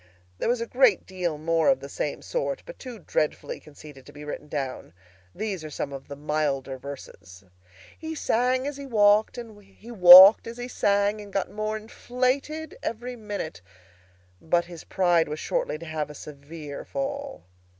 '" There was a great deal more of the same sort, but too dreadfully conceited to be written down. These are some of the milder verses. He sang as he walked, and he walked as he sang, and got more inflated every minute. But his pride was shortly to have a severe fall.